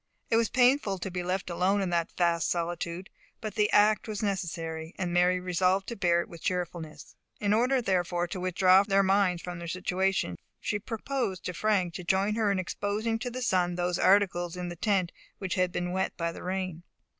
It was painful to be left alone in that vast solitude. But the act was necessary, and Mary resolved to bear it with cheerfulness. In order therefore to withdraw their minds from their situation, she proposed to Frank to join her in exposing to the sun those articles in the tent which had been wet by the rain.